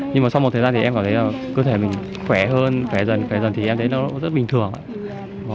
nhưng mà sau một thời gian thì em cảm thấy là cơ thể mình khỏe hơn khỏe dần khỏe dần thì em thấy nó rất bình thường